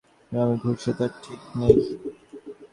তিন বছর ধরে বাঙলাদেশের কত গ্রামে ঘুরেছি তার ঠিক নেই।